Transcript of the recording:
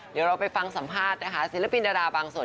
เดี๋ยวเราไปฟังสัมภาษณ์นะคะศิลปินดาราบางส่วน